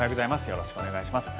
よろしくお願いします。